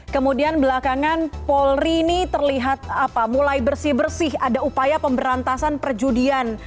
kemudian belakangan polri ini terlihat mulai bersih bersih ada upaya pemberantasan perjudian